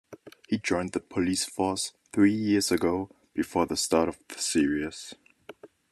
He joined the police force three years before the start of the series.